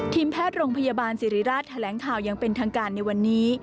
ทีมแพทย์โรงพยาบาลสิริราชแถลงข่าวอย่างเป็นทางการในวันนี้